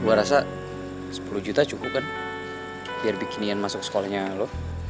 gue rasa sepuluh juta cukup kan biar bikinian masuk sekolahnya lo